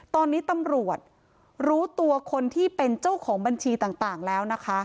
ตอนนี้ตำรวจรู้ตัวคนที่เป็นเจ้าของบัญชีต่างแล้วนะคะ